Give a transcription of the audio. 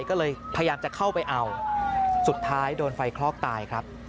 ก็เลยพยายามจะเข้าไปเอาสุดท้ายโดนไฟคลอกตายครับ